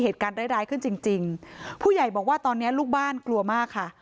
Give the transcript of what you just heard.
เหตุการณ์ร้ายร้ายขึ้นจริงจริงผู้ใหญ่บอกว่าตอนนี้ลูกบ้านกลัวมากค่ะ